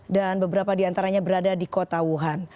dan beberapa di antaranya berada di kota wuhan